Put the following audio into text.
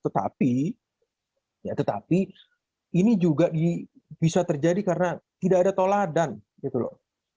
tetapi ya tetapi ini juga bisa terjadi karena tidak ada toladan gitu loh